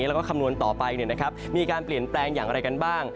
แล้วก็คำนวณต่อไปมีการเปลี่ยนแปลงอย่างอะไรกันบ้าง